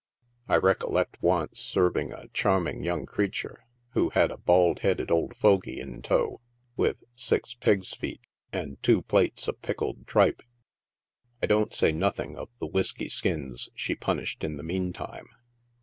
I recollect once serv ing a charming young creature, who had a bald headed old fogy in tow, with six pigs' feet and two plates of pickled tripe — I don t say nothing of the whiskey skins she punished in the meantime.